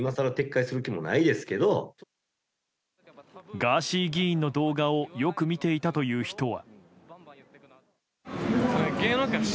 ガーシー議員の動画をよく見ていたという人は。